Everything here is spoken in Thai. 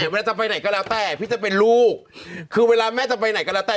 เวลาจะไปไหนก็แล้วแต่พี่จะเป็นลูกคือเวลาแม่จะไปไหนก็แล้วแต่